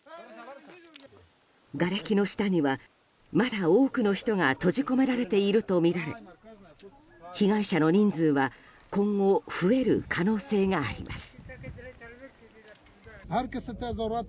がれきの下には、まだ多くの人が閉じ込められているとみられ被害者の人数は今後増える可能性があります。